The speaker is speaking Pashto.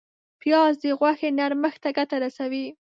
پیاز د غوښې نرمښت ته ګټه رسوي